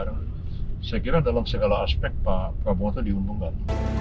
saya kira dalam segala aspek pak prabowo itu diuntungkan